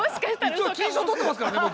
一応金賞取ってますからね僕。